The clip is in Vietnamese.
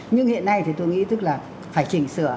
nhưng hiện nay thì tôi nghĩ tức là phải chỉnh sửa